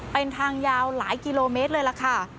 เป็นทางยาวหลายกิโลเมตรเลยล่ะค่ะ